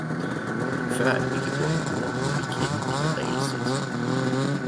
Men før at vi kan gå ombord må vi kende dette regelsæt.